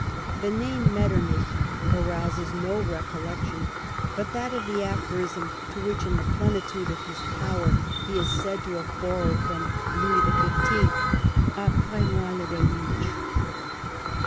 The name of Metternich arouses no recollection but that of the aphorism to which, in the plenitude of his power, he is said to have borrowed from Louis XV. :" Apres moi le deluge."